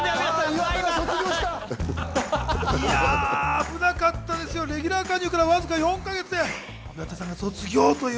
危なかったですよ、レギュラー加入からわずか４か月で岩田さんが卒業という。